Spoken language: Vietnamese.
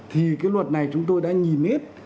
thì cái luật này chúng tôi đã nhìn hết